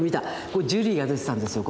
これジュリーが出てたんですよ